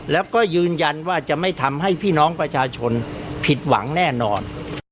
แล้วก็ยืนยันว่าจะไม่ทำให้พี่น้องประชาชนผิดหวังแน่นอน